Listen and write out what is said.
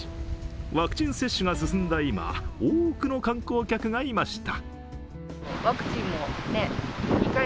ワクチン接種が進んだ今、多くの観光客がいました。